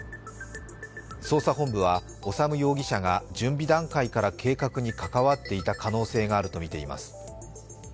捜査本部は修容疑者が準備段階から計画に関わっていた可能性があるとみています。